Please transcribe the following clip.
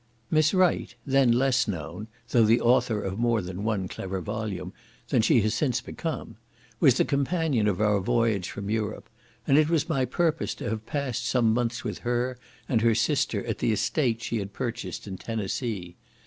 Miss Wright, then less known (though the author of more than one clever volume) than she has since become, was the companion of our voyage from Europe; and it was my purpose to have passed some months with her and her sister at the estate she had purchased in Tennessee.